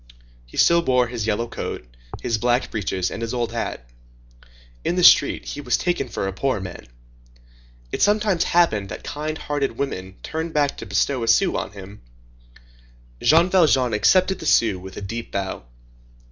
He still wore his yellow coat, his black breeches, and his old hat. In the street, he was taken for a poor man. It sometimes happened that kind hearted women turned back to bestow a sou on him. Jean Valjean accepted the sou with a deep bow.